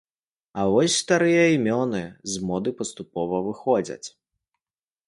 А вось старыя імёны з моды паступова выходзяць.